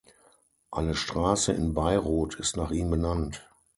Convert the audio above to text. Eine Straße in Beirut ist nach ihm benannt.